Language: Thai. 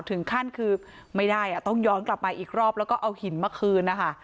ถึงขั้นคือไม่ได้อ่ะต้องย้อนกลับมาอีกรอบแล้วก็เอาหินมาคืนนะคะ